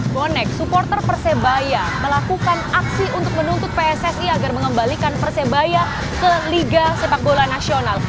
bonek supporter persebaya melakukan aksi untuk menuntut pssi agar mengembalikan persebaya ke liga sepak bola nasional